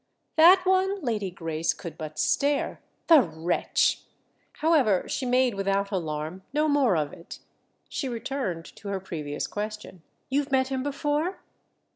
"That one?" Lady Grace could but stare. "The wretch!" However, she made, without alarm, no more of it; she returned to her previous question. "You've met him before?"